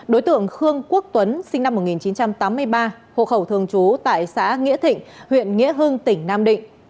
đối tượng khương quốc tuấn sinh năm một nghìn chín trăm tám mươi ba hộ khẩu thường trú tại xã nghĩa thịnh huyện nghĩa hưng tỉnh nam định